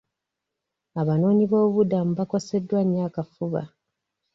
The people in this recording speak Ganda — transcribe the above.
Abanoonyiboobubudamu bakoseddwa nnyo akafuba.